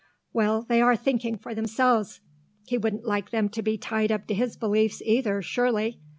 "Well, they are thinking for themselves. He wouldn't like them to be tied up to his beliefs either, surely.